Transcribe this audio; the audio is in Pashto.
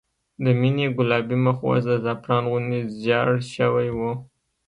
د مينې ګلابي مخ اوس د زعفران غوندې زېړ شوی و